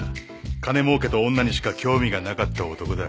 金もうけと女にしか興味がなかった男だ。